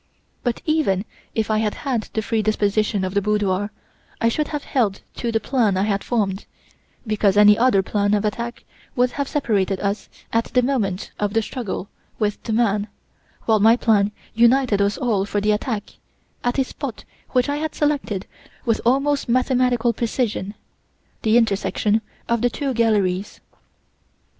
But even if I had had the free disposition of the boudoir, I should have held to the plan I had formed; because any other plan of attack would have separated us at the moment of the struggle with the man, while my plan united us all for the attack, at a spot which I had selected with almost mathematical precision, the intersection of the two galleries.